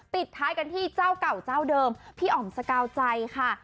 ปิดท้ายกันที่เจ้าเก่าเจ้าเดิมพี่อ๋อมสกาวใจค่ะ